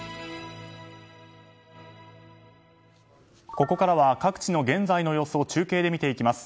ここからは各地の現在の様子を中継で見ていきます。